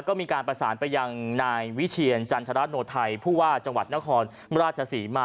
ก็มีการประสานไปยังนายวิเชียรจันทรโนไทยผู้ว่าจังหวัดนครราชศรีมา